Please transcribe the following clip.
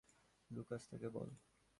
Lucas, তাকে বল।